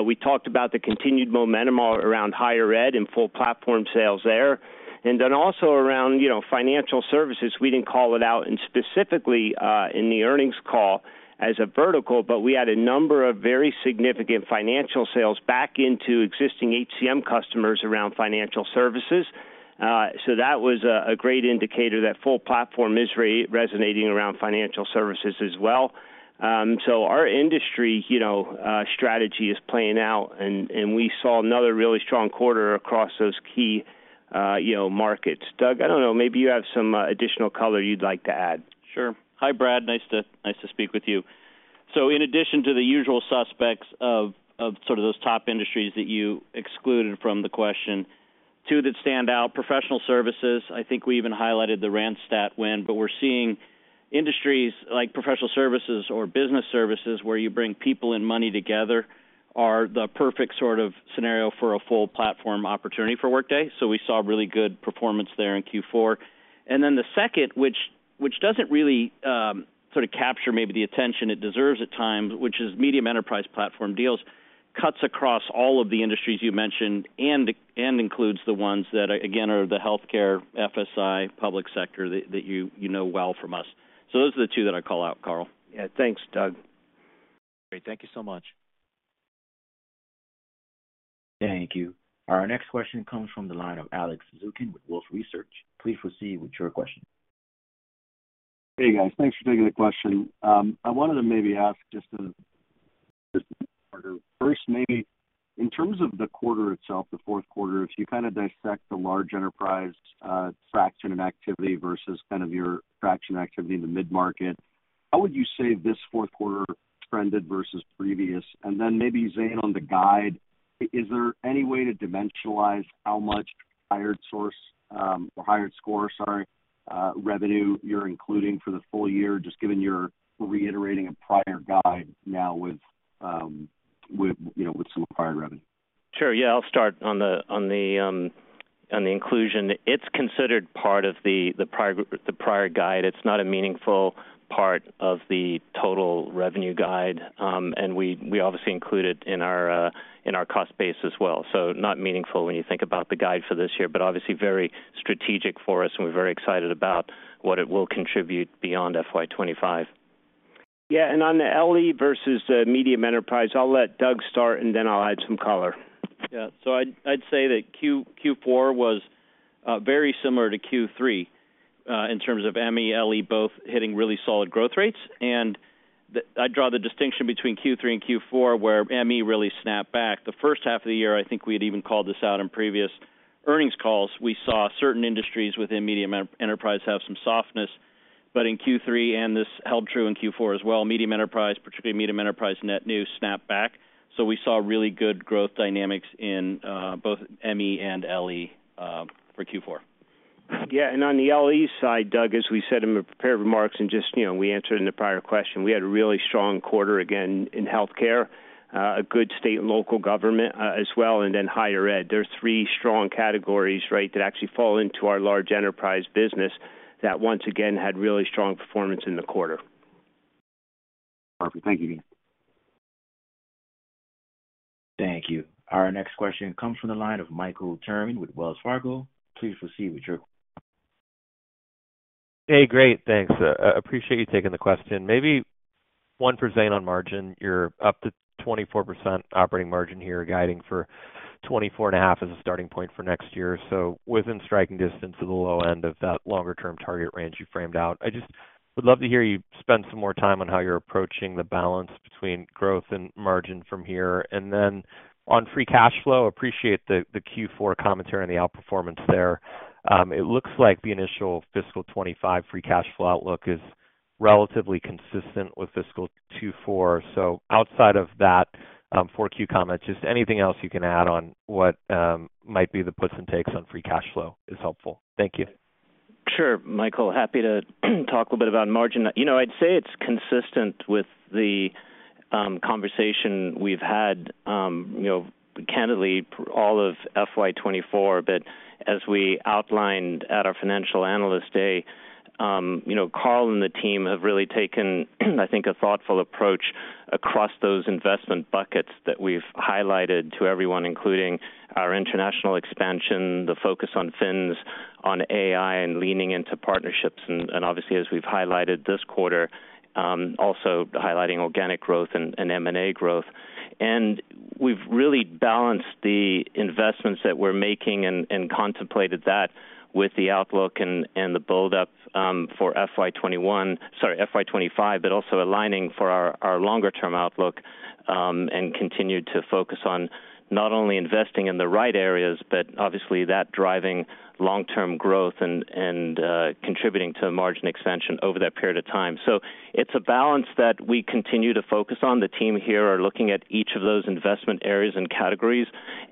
We talked about the continued momentum all around higher ed and full platform sales there, and then also around, you know, financial services. We didn't call it out and specifically in the earnings call as a vertical, but we had a number of very significant financial sales back into existing HCM customers around financial services. That was a great indicator that full platform is resonating around financial services as well. Our industry, you know, strategy is playing out, and we saw another really strong quarter across those key, you know, markets. Doug, I don't know, maybe you have some additional color you'd like to add. Sure. Hi, Brad. Nice to, nice to speak with you. So in addition to the usual suspects of, of sort of those top industries that you excluded from the question, two that stand out, professional services. I think we even highlighted the Randstad win, but we're seeing industries like professional services or business services, where you bring people and money together, are the perfect sort of scenario for a full platform opportunity for Workday. So we saw really good performance there in Q4. And then the second, which, which doesn't really sort of capture maybe the attention it deserves at times, which is medium enterprise platform deals, cuts across all of the industries you mentioned and, and includes the ones that, again, are the healthcare, FSI, public sector, that, that you, you know well from us. So those are the two that I call out, Carl. Yeah. Thanks, Doug. Great. Thank you so much. Thank you. Our next question comes from the line of Alex Zukin with Wolfe Research. Please proceed with your question. Hey, guys. Thanks for taking the question. I wanted to maybe ask just first, maybe in terms of the quarter itself, the fourth quarter, if you kind of dissect the large enterprise traction and activity versus kind of your traction activity in the mid-market, how would you say this fourth quarter trended versus previous? And then maybe, Zane, on the guide, is there any way to dimensionalize how much acquired HiredScore revenue you're including for the full year, just given you're reiterating a prior guide now with, you know, with some acquired revenue? Sure. Yeah, I'll start on the inclusion. It's considered part of the prior guide. It's not a meaningful part of the total revenue guide. And we obviously include it in our cost base as well. So not meaningful when you think about the guide for this year, but obviously very strategic for us, and we're very excited about what it will contribute beyond FY 25. Yeah, and on the LE versus the medium enterprise, I'll let Doug start, and then I'll add some color. Yeah. So I'd say that Q4 was very similar to Q3 in terms of ME, LE, both hitting really solid growth rates. And I'd draw the distinction between Q3 and Q4, where ME really snapped back. The first half of the year, I think we had even called this out in previous earnings calls, we saw certain industries within medium enterprise have some softness. But in Q3, and this held true in Q4 as well, medium enterprise, particularly medium enterprise net new, snapped back. So we saw really good growth dynamics in both ME and LE for Q4. Yeah, and on the LE side, Doug, as we said in the prepared remarks and just, you know, we answered in the prior question, we had a really strong quarter, again, in healthcare, a good state and local government, as well, and then higher ed. There are three strong categories, right, that actually fall into our large enterprise business that, once again, had really strong performance in the quarter. Perfect. Thank you again. Thank you. Our next question comes from the line of Michael Turrin with Wells Fargo. Please proceed with your... Hey, great. Thanks. I appreciate you taking the question. Maybe one for Zane on margin. You're up to 24% operating margin here, guiding for 24.5% as a starting point for next year. So within striking distance of the low end of that longer-term target range you framed out. I just would love to hear you spend some more time on how you're approaching the balance between growth and margin from here. And then on free cash flow, appreciate the Q4 commentary on the outperformance there. It looks like the initial fiscal 2025 free cash flow outlook is relatively consistent with fiscal 2024. So outside of that, 4Q comment, just anything else you can add on what might be the puts and takes on free cash flow is helpful. Thank you. Sure, Michael. Happy to talk a little bit about margin. You know, I'd say it's consistent with the, conversation we've had, you know, candidly, all of FY 2024. But as we outlined at our Financial Analyst Day, you know, Carl and the team have really taken, I think, a thoughtful approach across those investment buckets that we've highlighted to everyone, including our international expansion, the focus on Fins, on AI, and leaning into partnerships, and, and obviously, as we've highlighted this quarter, also highlighting organic growth and, and M&A growth. And we've really balanced the investments that we're making and, and contemplated that with the outlook and, and the build-up, for FY 2021... Sorry, FY 25, but also aligning for our, our longer-term outlook, and continued to focus on not only investing in the right areas, but obviously, that driving long-term growth and, and, contributing to margin expansion over that period of time. So it's a balance that we continue to focus on. The team here are looking at each of those investment areas and categories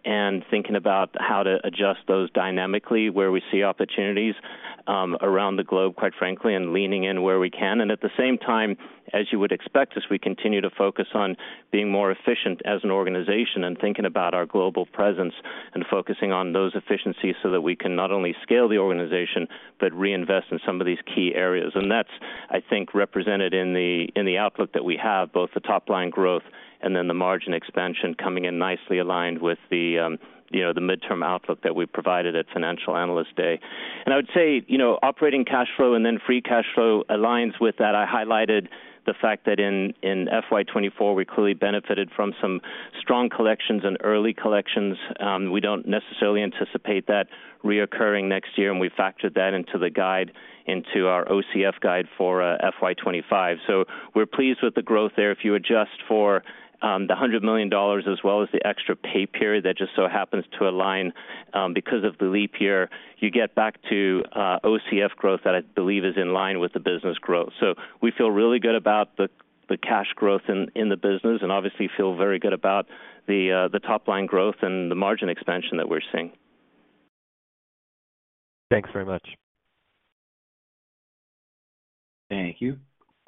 and thinking about how to adjust those dynamically where we see opportunities around the globe, quite frankly, and leaning in where we can. And at the same time, as you would expect, as we continue to focus on being more efficient as an organization and thinking about our global presence and focusing on those efficiencies so that we can not only scale the organization, but reinvest in some of these key areas. That's, I think, represented in the outlook that we have, both the top line growth and then the margin expansion coming in nicely aligned with the, you know, the midterm outlook that we provided at Financial Analyst Day. And I would say, you know, operating cash flow and then free cash flow aligns with that. I highlighted the fact that in FY 2024, we clearly benefited from some strong collections and early collections. We don't necessarily anticipate that reoccurring next year, and we factored that into the guide, into our OCF guide for FY 2025. We're pleased with the growth there. If you adjust for the $100 million, as well as the extra pay period, that just so happens to align because of the leap year, you get back to OCF growth that I believe is in line with the business growth. So we feel really good about the cash growth in the business and obviously feel very good about the top line growth and the margin expansion that we're seeing. Thanks very much. Thank you.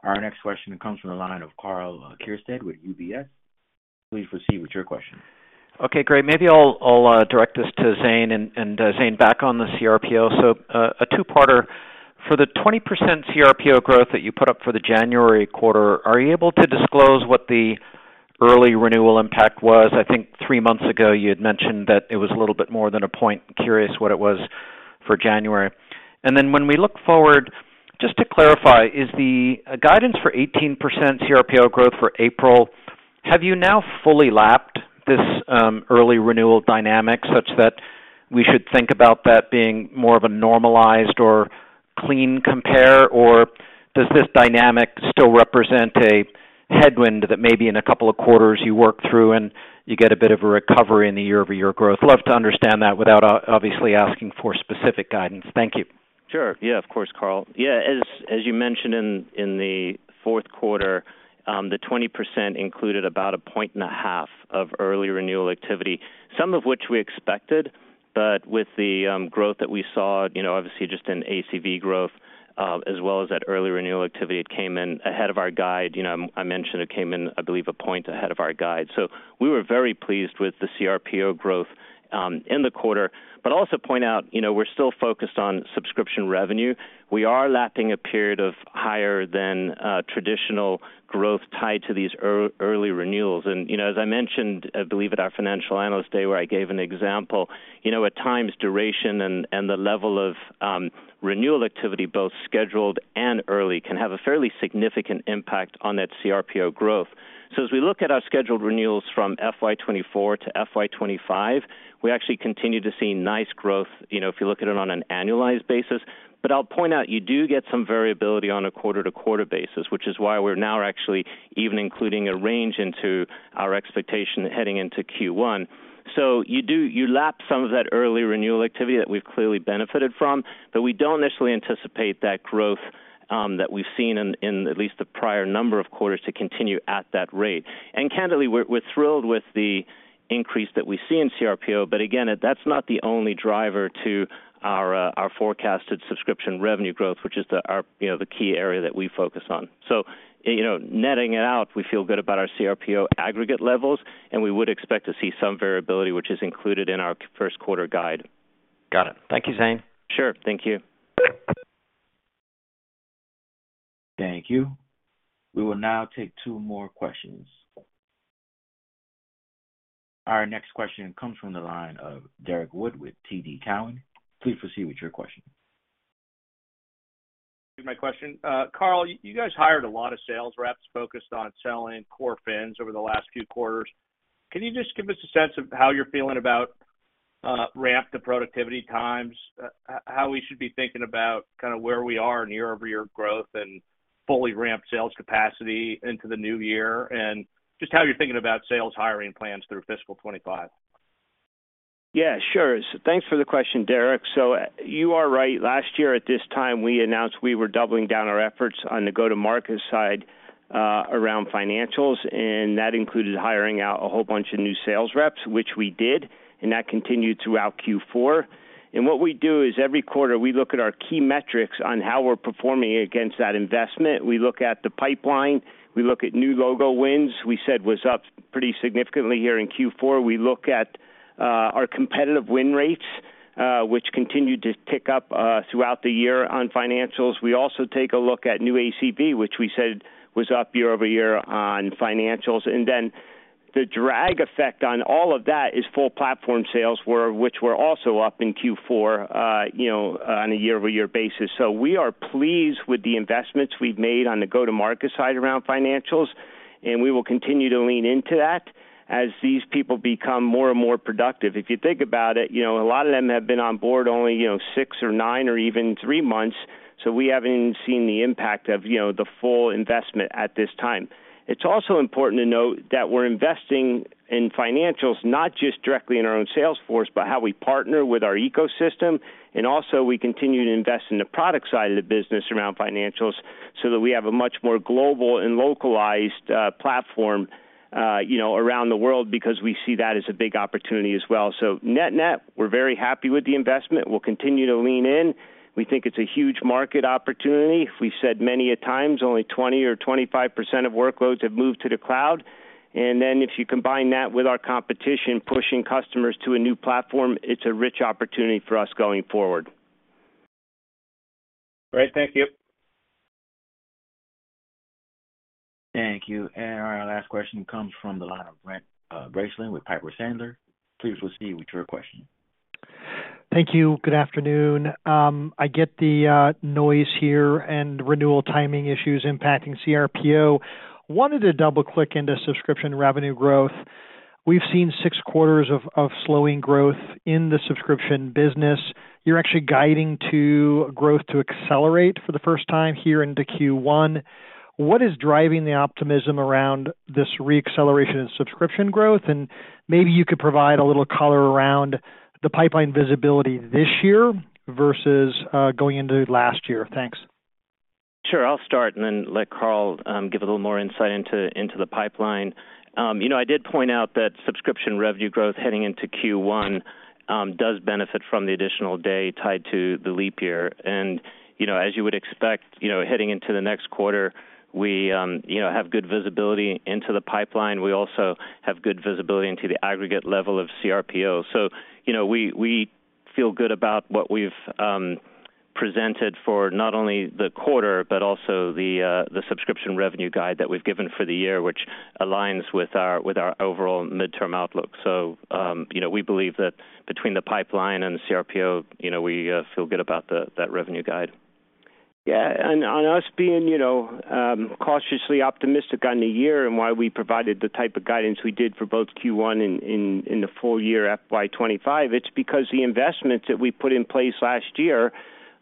Our next question comes from the line of Karl Keirstead with UBS. Please proceed with your question. Okay, great. Maybe I'll, I'll, direct this to Zane. And, and, Zane, back on the CRPO. So, a two-parter: For the 20% CRPO growth that you put up for the January quarter, are you able to disclose what the early renewal impact was? I think three months ago you had mentioned that it was a little bit more than a point. Curious what it was for January. And then when we look forward, just to clarify, is the guidance for 18% CRPO growth for April, have you now fully lapped this early renewal dynamic such that we should think about that being more of a normalized or clean compare? Or does this dynamic still represent a headwind that maybe in a couple of quarters you work through and you get a bit of a recovery in the year-over-year growth? Love to understand that without obviously asking for specific guidance. Thank you. Sure. Yeah, of course, Karl. Yeah, as you mentioned in the fourth quarter, the 20% included about a point and a half of early renewal activity, some of which we expected. But with the growth that we saw, you know, obviously just in ACV growth, as well as that early renewal activity, it came in ahead of our guide. You know, I mentioned it came in, I believe, a point ahead of our guide. So we were very pleased with the CRPO growth in the quarter, but also point out, you know, we're still focused on subscription revenue. We are lapping a period of higher than traditional growth tied to these early renewals. And, you know, as I mentioned, I believe at our Financial Analyst Day, where I gave an example, you know, at times, duration and the level of renewal activity, both scheduled and early, can have a fairly significant impact on that CRPO growth. So as we look at our scheduled renewals from FY 2024 to FY 2025, we actually continue to see nice growth, you know, if you look at it on an annualized basis. But I'll point out, you do get some variability on a quarter-to-quarter basis, which is why we're now actually even including a range into our expectation heading into Q1. So you lap some of that early renewal activity that we've clearly benefited from, but we don't necessarily anticipate that growth that we've seen in at least the prior number of quarters, to continue at that rate. And candidly, we're thrilled with the increase that we see in CRPO. But again, that's not the only driver to our forecasted subscription revenue growth, which is our, you know, the key area that we focus on. So, you know, netting it out, we feel good about our CRPO aggregate levels, and we would expect to see some variability, which is included in our first quarter guide. Got it. Thank you, Zane. Sure. Thank you. Thank you. We will now take two more questions. Our next question comes from the line of Derek Wood with TD Cowen. Please proceed with your question. My question. Karl, you guys hired a lot of sales reps focused on selling core finance over the last few quarters. Can you just give us a sense of how you're feeling about ramp to productivity times, how we should be thinking about kind of where we are in year-over-year growth and fully ramped sales capacity into the new year, and just how you're thinking about sales hiring plans through fiscal 25? Yeah, sure. So thanks for the question, Derek. So you are right. Last year, at this time, we announced we were doubling down our efforts on the go-to-market side around financials, and that included hiring out a whole bunch of new sales reps, which we did, and that continued throughout Q4. What we do is every quarter, we look at our key metrics on how we're performing against that investment. We look at the pipeline, we look at new logo wins, we said was up pretty significantly here in Q4. We look at our competitive win rates, which continued to tick up throughout the year on financials. We also take a look at new ACV, which we said was up year over year on financials. And then the drag effect on all of that is full platform sales, where, which were also up in Q4, you know, on a year-over-year basis. So we are pleased with the investments we've made on the go-to-market side around financials, and we will continue to lean into that as these people become more and more productive. If you think about it, you know, a lot of them have been on board only, you know, six or nine or even three months, so we haven't even seen the impact of, you know, the full investment at this time. It's also important to note that we're investing in financials, not just directly in our own sales force, but how we partner with our ecosystem. And also, we continue to invest in the product side of the business around financials.... so that we have a much more global and localized platform, you know, around the world, because we see that as a big opportunity as well. So net-net, we're very happy with the investment. We'll continue to lean in. We think it's a huge market opportunity. We've said many a times, only 20 or 25% of workloads have moved to the cloud. And then if you combine that with our competition, pushing customers to a new platform, it's a rich opportunity for us going forward. Great. Thank you. Thank you. Our last question comes from the line of Brent Bracelin, with Piper Sandler. Please proceed with your question. Thank you. Good afternoon. I get the noise here and renewal timing issues impacting CRPO. Wanted to double-click into subscription revenue growth. We've seen six quarters of slowing growth in the subscription business. You're actually guiding to growth to accelerate for the first time here into Q1. What is driving the optimism around this re-acceleration in subscription growth? And maybe you could provide a little color around the pipeline visibility this year versus going into last year. Thanks. Sure. I'll start and then let Carl give a little more insight into the pipeline. You know, I did point out that subscription revenue growth heading into Q1 does benefit from the additional day tied to the leap year. And, you know, as you would expect, you know, heading into the next quarter, we, you know, have good visibility into the pipeline. We also have good visibility into the aggregate level of CRPO. So, you know, we feel good about what we've presented for not only the quarter but also the subscription revenue guide that we've given for the year, which aligns with our overall midterm outlook. So, you know, we believe that between the pipeline and the CRPO, you know, we feel good about that revenue guide. Yeah, and on us being, you know, cautiously optimistic on the year and why we provided the type of guidance we did for both Q1 and the full year FY 25, it's because the investments that we put in place last year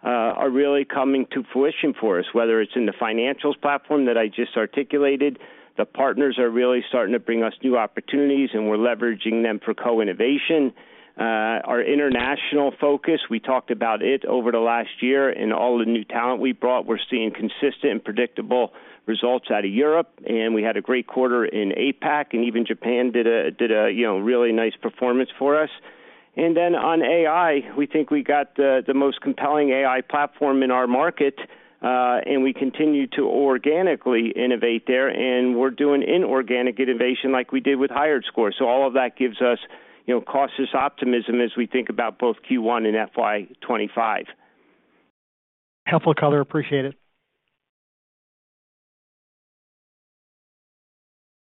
are really coming to fruition for us, whether it's in the financials platform that I just articulated, the partners are really starting to bring us new opportunities, and we're leveraging them for co-innovation. Our international focus, we talked about it over the last year and all the new talent we brought. We're seeing consistent and predictable results out of Europe, and we had a great quarter in APAC, and even Japan did a, you know, really nice performance for us. And then on AI, we think we got the most compelling AI platform in our market, and we continue to organically innovate there, and we're doing inorganic innovation like we did with HiredScore. So all of that gives us, you know, cautious optimism as we think about both Q1 and FY 25. Helpful color. Appreciate it.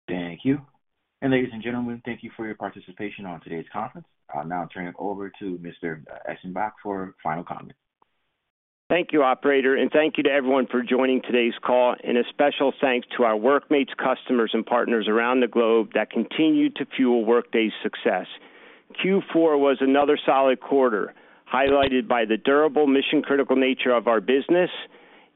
Thank you. Ladies and gentlemen, thank you for your participation on today's conference. I'll now turn it over to Mr. Eschenbach for final comments. Thank you, operator, and thank you to everyone for joining today's call. A special thanks to our workmates, customers, and partners around the globe that continue to fuel Workday's success. Q4 was another solid quarter, highlighted by the durable mission-critical nature of our business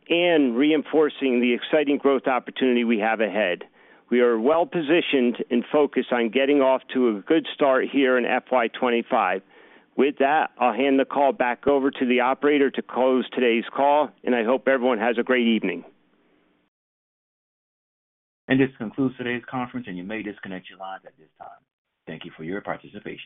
and reinforcing the exciting growth opportunity we have ahead. We are well-positioned and focused on getting off to a good start here in FY 25. With that, I'll hand the call back over to the operator to close today's call, and I hope everyone has a great evening. This concludes today's conference, and you may disconnect your lines at this time. Thank you for your participation.